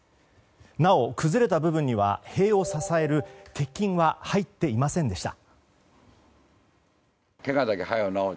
なお、崩れた部分には塀を支える鉄筋は入っていませんでした。